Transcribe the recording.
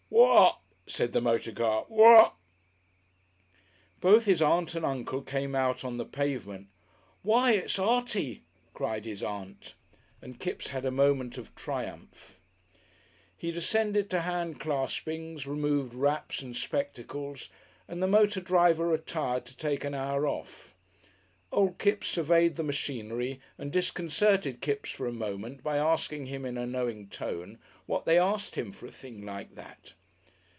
"Whup," said the motor car. "Whurrup!" Both his Aunt and Uncle came out on the pavement. "Why, it's Artie," cried his Aunt, and Kipps had a moment of triumph. He descended to hand claspings, removed wraps and spectacles, and the motor driver retired to take "an hour off." Old Kipps surveyed the machinery and disconcerted Kipps for a moment by asking him in a knowing tone what they asked him for a thing like that.